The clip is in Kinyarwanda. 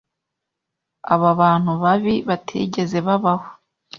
Aba bantu babi batigeze babaho